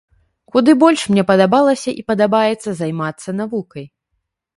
Куды больш мне падабалася і падабаецца займацца навукай.